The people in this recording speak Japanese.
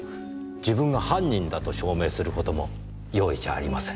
自分が犯人だと証明することも容易じゃありません。